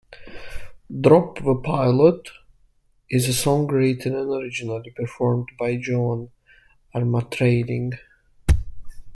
"Drop the Pilot" is a song written and originally performed by Joan Armatrading.